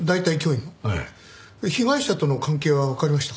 被害者との関係はわかりましたか？